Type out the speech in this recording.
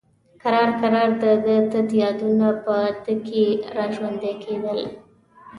کرار کرار د ده تت یادونه په ده کې را ژوندي کېدل.